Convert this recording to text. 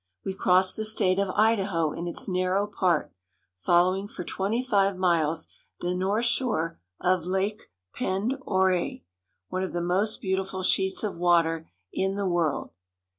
We cross the state of Idaho in its narrow part, following for twenty five miles the north shore of Lake Pend Oreille, one of the most beautiful sheets of water in the world.